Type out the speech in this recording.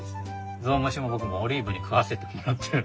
ゾウムシも僕もオリーブに食わせてもらってる。